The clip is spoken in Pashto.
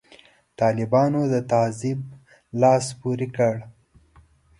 طالبانو د تعذیب لاس پورې کړ.